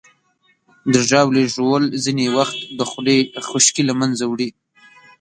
د ژاولې ژوول ځینې وخت د خولې خشکي له منځه وړي.